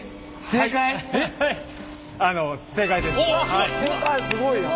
正解すごいな。